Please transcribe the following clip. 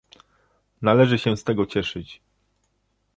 Należy się z tego cieszyć